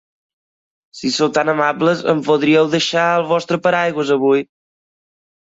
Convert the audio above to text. Si sou tan amables, em podríeu deixar el vostre paraigües avui?